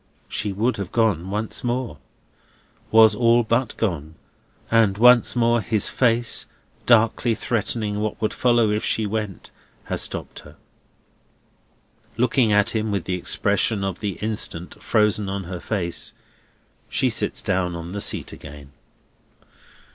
She would have gone once more—was all but gone—and once more his face, darkly threatening what would follow if she went, has stopped her. Looking at him with the expression of the instant frozen on her face, she sits down on the seat again.